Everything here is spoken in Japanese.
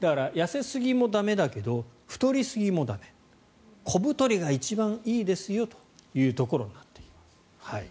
だから、痩せすぎも駄目だけど太りすぎも駄目小太りが一番いいですよというところになってきます。